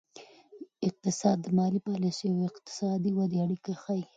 اقتصاد د مالي پالیسیو او اقتصادي ودې اړیکه ښيي.